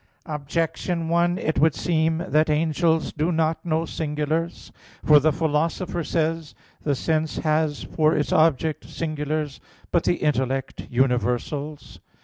Objection 1: It would seem that angels do not know singulars. For the Philosopher says (Poster. i, text. 22): "The sense has for its object singulars, but the intellect, universals."